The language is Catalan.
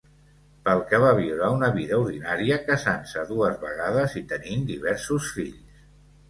Pel que va viure una vida ordinària, casant-se dues vegades i tenint diversos fills.